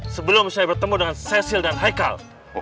sebelum saya bertemu dengan cesil dan haikal